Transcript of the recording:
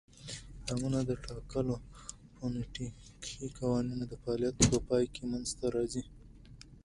امونونه د ټاکلو فونیټیکښي قوانینو د فعالیت په پای کښي منځ ته راځي.